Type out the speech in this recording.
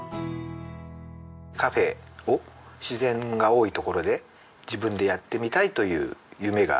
カフェを自然が多いところで自分でやってみたいという夢が。